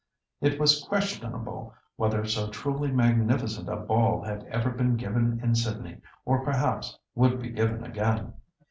It was questionable whether so truly magnificent a ball had ever been given in Sydney, or perhaps would be given again.